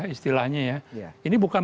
istilahnya ya ini bukan